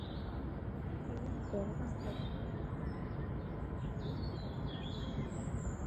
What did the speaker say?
理论得到的答案必须符合实验测量的数据。